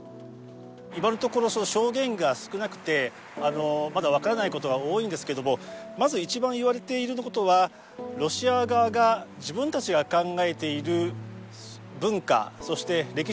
今のところ証言が少なくてまだ分からないことは多いんですけどもまず一番いわれていることはロシア側が自分たちが考えている文化そして歴史の考え方をですねウクライナの子どもに押しつけて